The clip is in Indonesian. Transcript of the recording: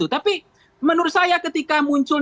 tapi menurut saya ketika muncul